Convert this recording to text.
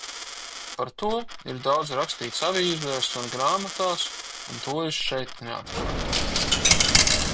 Par to ir daudz rakstīts avīzēs un grāmatās un to es šeit neatkārtošu.